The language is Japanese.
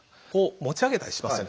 持ち上げたりしますよね。